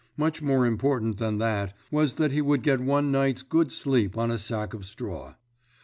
Much more important than that was that he would get one night's good sleep on a sack of straw.